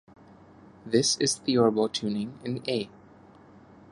This is theorbo tuning in A.